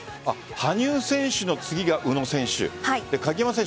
羽生選手の次が宇野選手。